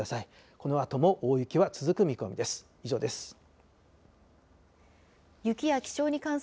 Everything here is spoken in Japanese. このあとも大雪は続く見込みです。